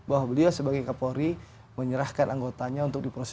alhamdulillah pak bimantoro kapolri keluar sampai di depan pagar mabes polri